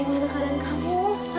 ibu gimana keadaan kamu